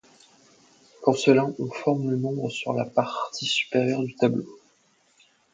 Pour cela, on forme le nombre sur la partie supérieure du tableau.